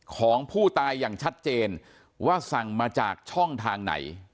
ของผู้ตายอย่างชัดเจนว่าสั่งมาจากช่องทางไหน